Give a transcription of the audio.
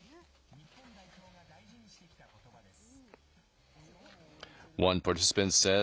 日本代表が大事にしてきたことばです。